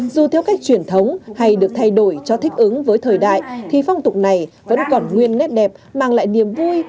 dù theo cách truyền thống hay được thay đổi cho thích ứng với thời đại thì phong tục này vẫn còn nguyên nét đẹp mang lại niềm vui